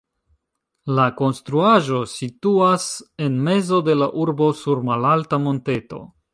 La konstruaĵo situas en mezo de la urbo sur malalta monteto.